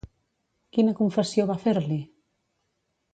Quina confessió va fer-li?